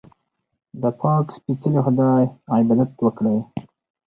د پاک سپېڅلي خدای عبادت وکړئ.